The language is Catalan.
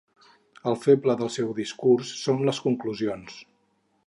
El feble del teu discurs són les conclusions.